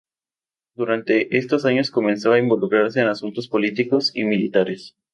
Durante estos años empezó a involucrarse en asuntos políticos y militares.